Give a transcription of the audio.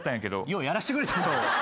ようやらしてくれたな。